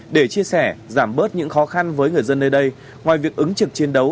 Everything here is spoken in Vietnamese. để chia sẻ giảm bớt những khó khăn với người dân nơi đây ngoài việc ứng trực chiến đấu